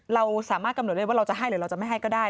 เราสามารถกำหนดได้ว่าเราจะให้หรือเราจะไม่ให้ก็ได้